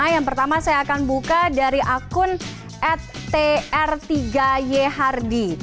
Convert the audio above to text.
yang pertama saya akan buka dari akun attr tiga yhardi